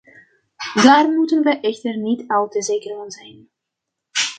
Daar moeten we echter niet al te zeker van zijn.